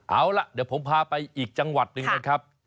เอาล่ะเดี๋ยวผมพาไปอีกจังหวัดหนึ่งนะครับ